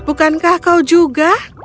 bukankah kau juga